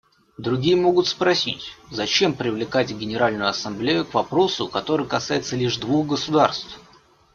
Другие могут спросить: зачем привлекать Генеральную Ассамблею к вопросу, который касается лишь двух государств?